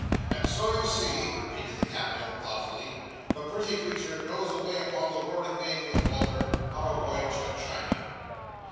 And so, you see," repeated the Captain, thoughtfully, "the pretty creetur goes away upon the roaring main with Wal"r, on a woyage to China."